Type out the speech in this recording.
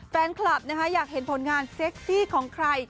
แฟนคลับนะคะอยากเห็นผลงานเซ็กซี่ของใคร